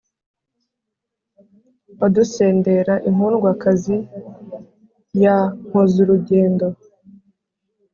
Wadusendera inkundwakazi ya Nkozurugendo